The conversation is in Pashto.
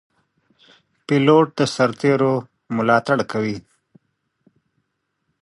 پیلوټ د سرتېرو ملاتړ کوي.